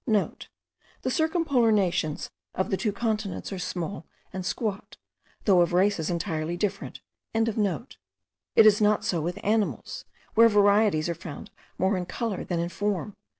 *(* The circumpolar nations of the two continents are small and squat, though of races entirely different.) It is not so with animals, where varieties are found more in colour than in form.